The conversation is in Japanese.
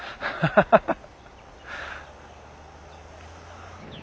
ハハハハハ。